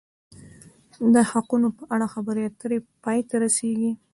د حقوقو په اړه خبرې اترې پای ته رسیږي.